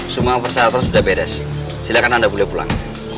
semua persyaratan sudah bedas silahkan anda pulih pulang